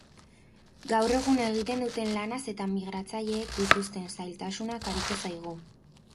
Gaur egun egiten duten lanaz eta migratzaileek dituzten zailtasunak ariko zaigu.